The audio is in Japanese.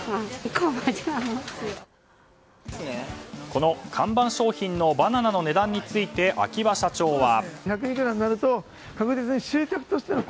この看板商品のバナナの値段について秋葉社長は。